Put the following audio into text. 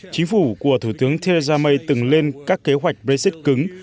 chính phủ của thủ tướng theresa may từng lên các kế hoạch brexit cứng